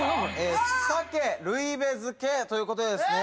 鮭ルイベ漬ということでですね